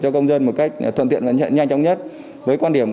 cho công dân một cách thuận tiện và nhanh chóng nhất với quan điểm